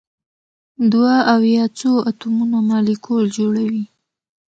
دوه او یا څو اتومونه مالیکول جوړوي.